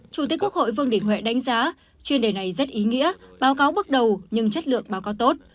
chủ tịch quốc hội vương đình huệ đánh giá chuyên đề này rất ý nghĩa báo cáo bước đầu nhưng chất lượng báo cáo tốt